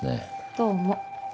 どうも。